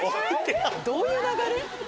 どういう流れ？